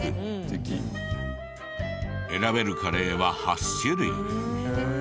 選べるカレーは８種類。